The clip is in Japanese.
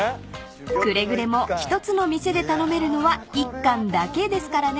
［くれぐれも１つの店で頼めるのは１貫だけですからね］